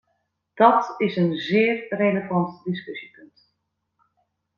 Dat is een zeer relevant discussiepunt.